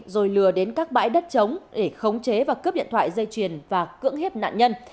rồi lừa đến các bãi đất chống để khống chế và cướp điện thoại dây chuyền và cưỡng hiếp nạn nhân